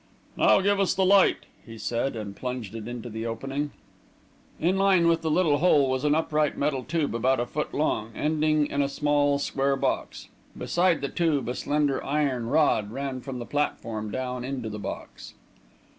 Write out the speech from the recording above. "Now give us the light," he said, and plunged it into the opening. In line with the little hole was an upright metal tube about a foot long, ending in a small square box. Beside the tube, a slender iron rod ran from the platform down into the box.